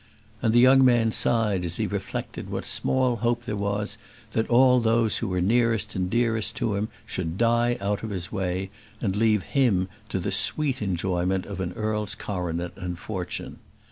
And the young man sighed as he reflected what small hope there was that all those who were nearest and dearest to him should die out of his way, and leave him to the sweet enjoyment of an earl's coronet and fortune.